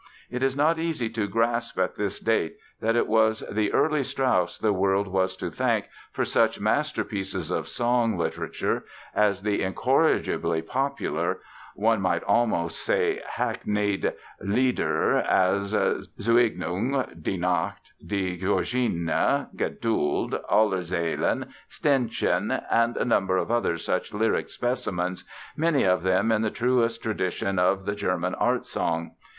It is not easy to grasp at this date that it was the early Strauss the world has to thank for such masterpieces of song literature as the incorrigibly popular (one might almost say hackneyed), Lieder as "Zueignung", "Die Nacht", "Die Georgine", "Geduld", "Allerseelen", "Ständchen", and a number of other such lyric specimens, many of them in the truest tradition of the German art song.